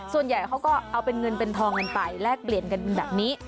ส่วนใหญ่เขาก็เอาเป็นเงินเป็นทองกันไปแลกเปลี่ยนกันเป็นแบบนี้